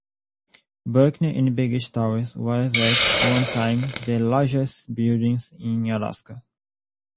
Buckner and Begich Towers were at one time the largest buildings in Alaska.